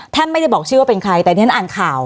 ไม่ได้บอกชื่อว่าเป็นใครแต่ที่ฉันอ่านข่าว